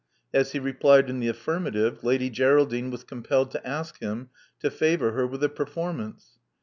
As he replied in the affirmative. Lady Geraldine was compelled to ask him to favor her with a performance.